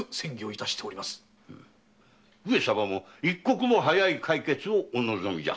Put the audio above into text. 上様も一刻も早い解決をお望みじゃ。